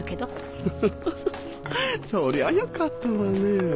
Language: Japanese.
フフフそりゃよかったわね。